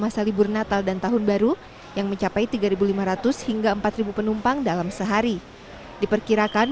masa libur natal dan tahun baru yang mencapai tiga ribu lima ratus hingga empat penumpang dalam sehari diperkirakan